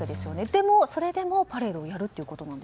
でも、それでもパレードをやる